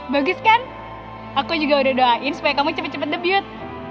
bagus kan aku juga udah doain supaya kamu cepet cepet debut